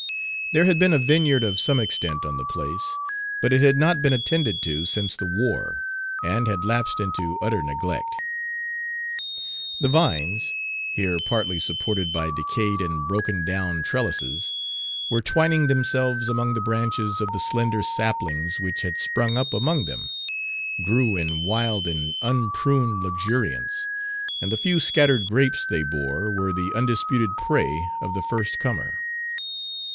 There had been a vineyard of some extent on the place, but it had not been attended to since the war, and had lapsed into utter neglect. Page 6 The vines here partly supported by decayed and broken down trellises, there twining themselves among the branches of the slender saplings which had sprung up among them grew in wild and unpruned luxuriance, and the few scattered grapes they bore were the undisputed prey of the first comer.